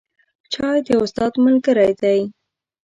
چای د استاد ملګری دی